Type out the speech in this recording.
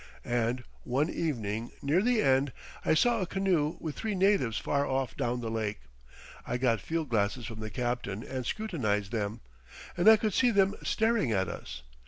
And one evening near the end I saw a canoe with three natives far off down the lake; I got field glasses from the captain and scrutinised them, and I could see them staring at us.